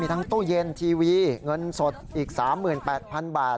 ทั้งตู้เย็นทีวีเงินสดอีก๓๘๐๐๐บาท